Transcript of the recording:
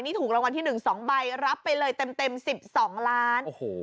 นี่ถูกรางวัลที่หนึ่งสองใบรับไปเลยเต็มเต็มสิบสองล้านโอ้โห